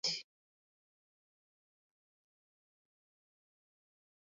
May Seymour was one of the five instructors who moved with it.